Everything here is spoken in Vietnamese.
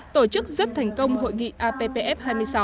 tổ chức rất thành công hội nghị appf hai mươi sáu